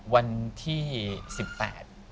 วันที่สิบแปด